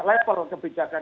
betul ini kan soal kebijakan